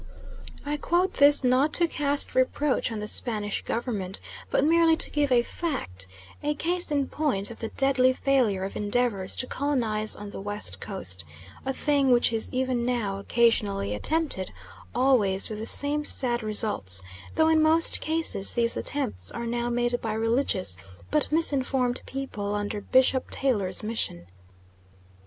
I quote this not to cast reproach on the Spanish Government, but merely to give a fact, a case in point, of the deadly failure of endeavours to colonise on the West Coast, a thing which is even now occasionally attempted, always with the same sad results, though in most cases these attempts are now made by religious but misinformed people under Bishop Taylor's mission.